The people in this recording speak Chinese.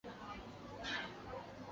绕去买羽绒衣